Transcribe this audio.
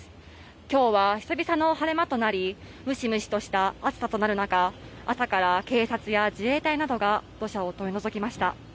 きょうは久々の晴れ間となり、ムシムシとした暑さとなる中、朝から警察や自衛隊などが土砂を取り除きました。